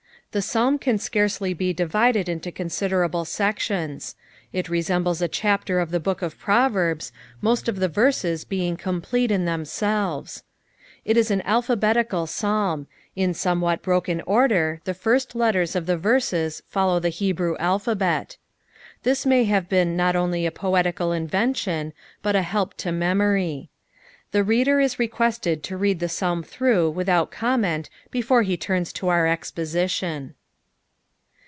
— The Psalm can SEarcely be dicided into eonsiderahte sMiions. B reaenMet a diapter (f Ihe book cf Proverbs, moel of the verses being oomplele in lAem«iiie». Jt is an <^lJiabdictd Psalm: in someuthat broken order, Ike first Utters of Ihe verses foUoa the Hebrtw aipA<iM. This may have been not only a pottical inL'cnlion, but a hdp to memory. Th» reader is rrqursled (a read Ihe Psalm Ihivvgh without oomment befora he ttatu to oitr exposition.